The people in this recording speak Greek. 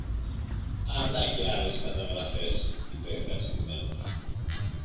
Α, να και άλλες καταγραφές, είπε ευχαριστημένος